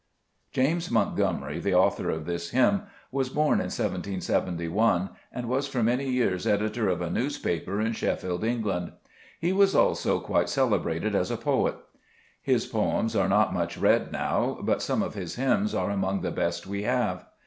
James Montgomery, the author of this hymn, was born in 1 77 1, and was for many years editor of a newspaper in Sheffield, England. He was also quite celebrated as a poet. His poems are not much read now, but some of his hymns are among the best we have.